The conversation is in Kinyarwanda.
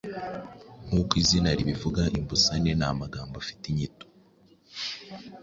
Nkuko izina ribivuga imbusane ni amagambo afite inyito